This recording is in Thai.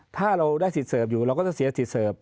ถ้าเราได้สิทธิเสิร์ฟอยู่เราก็จะเสียสิทธิ์เสิร์ฟ